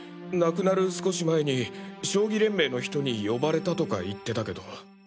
亡くなる少し前に将棋連盟の人に呼ばれたとか言ってたけど。